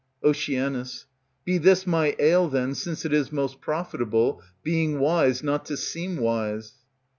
Oc. Be this my ail then, since it is Most profitable, being wise, not to seem wise.